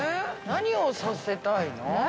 何をさせたいの？